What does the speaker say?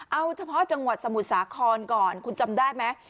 เอาเฉพาะจังหวัดสมุทรสาครก่อนคุณจำได้ไหม